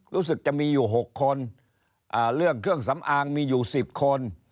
รู้สึกจะมีอยู่๖คนเรื่องเครื่องสำอางมีอยู่๑๐คน